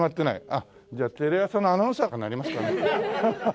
あっじゃあテレ朝のアナウンサーになりますかね？